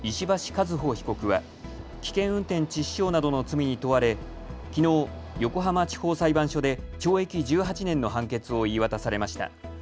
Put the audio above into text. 和歩被告は危険運転致死傷などの罪に問われきのう横浜地方裁判所で懲役１８年の判決を言い渡されました。